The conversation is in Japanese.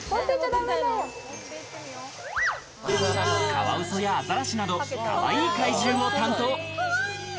カワウソやアザラシなど、かわいい海獣を担当。